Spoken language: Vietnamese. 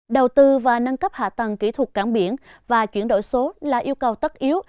đầu tư và nâng cấp hạ tầng kỹ thuật cảng biển và chuyển đổi số là yêu cầu tất yếu